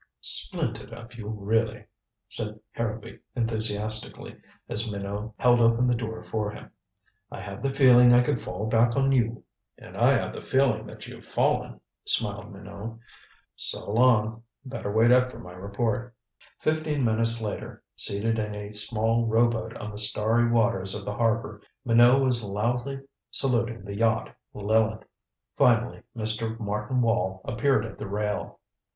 "Splendid of you, really," said Harrowby enthusiastically, as Minot held open the door for him. "I had the feeling I could fall back on you." "And I have the feeling that you've fallen," smiled Minot. "So long better wait up for my report." Fifteen minutes later, seated in a small rowboat on the starry waters of the harbor, Minot was loudly saluting the yacht Lileth. Finally Mr. Martin Wall appeared at the rail.